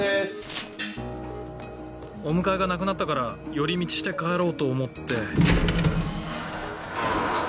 お迎えがなくなったから寄り道して帰ろうと思って。